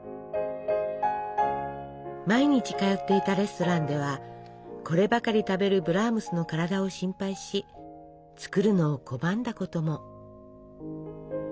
毎日通っていたレストランではこればかり食べるブラームスの体を心配し作るのを拒んだことも。